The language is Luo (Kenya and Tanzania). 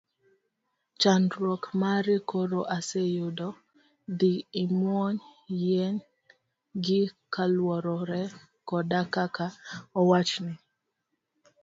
Chandruok mari koro aseyudo, dhi imuony yien gi kaluwore koda kaka owachni.